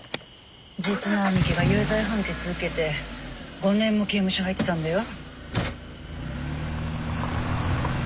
実の兄貴が有罪判決受けて５年も刑務所入ってたんだよ。